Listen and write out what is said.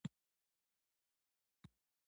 ویلو کې ښکاري.